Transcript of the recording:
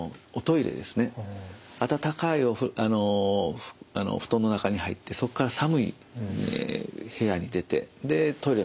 暖かい布団の中に入ってそこから寒い部屋に出てでトイレまで行くと。